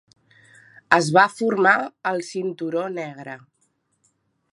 Es va formar el cinturó negre.